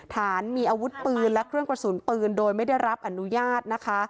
ฐานมีอาวุธปืนและเครื่องกระสุนปืนโดยไม่ได้รับอนุญาตนะคะ